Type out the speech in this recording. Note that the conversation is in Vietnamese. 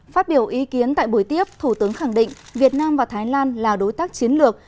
phát biểu ý kiến tại buổi tiếp thủ tướng khẳng định việt nam và thái lan là đối tác chiến lược